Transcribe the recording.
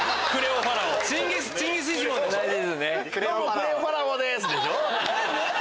クレオ・ファラオです！でしょ？